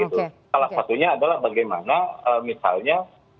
salah satunya adalah bagaimana misalnya